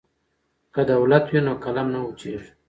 که دوات وي نو قلم نه وچیږي.